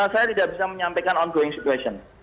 saya tidak bisa menyampaikan on going situation